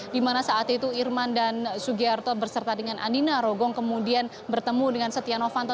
di mana saat itu irman dan sugiharto berserta dengan andi narogong kemudian bertemu dengan setia novanto